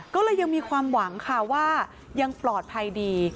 ก็เลยยังมีความหวังค่ะว่ายังปลอดภัยดี